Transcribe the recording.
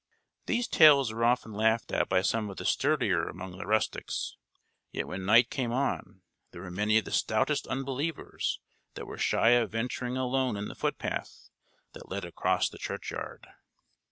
These tales were often laughed at by some of the sturdier among the rustics, yet when night came on, there were many of the stoutest unbelievers that were shy of venturing alone in the footpath that led across the churchyard.